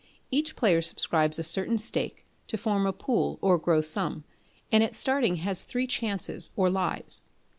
Each player subscribes a certain stake to form a pool or gross sum, and at starting has three chances or lives.